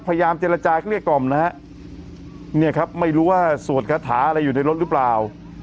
พยายามเจรจาเกลี้ยกล่อมนะฮะเนี่ยครับไม่รู้ว่าสวดคาถาอะไรอยู่ในรถหรือเปล่า